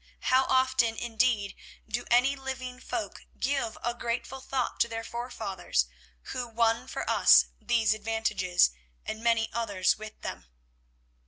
How often, indeed, do any living folk give a grateful thought to the forefathers who won for us these advantages, and many others with them?